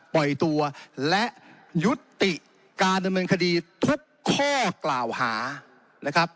ปล่อยตัวและยุติการดำเนินคดีทุกข้อกล่าวหานะครับ